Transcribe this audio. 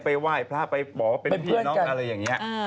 ไปไหว้พระไปบอกว่าเป็นพี่น้องอะไรอย่างนี้